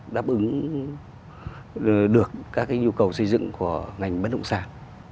đáp ứng được các nhu cầu xây dựng của ngành bất động sản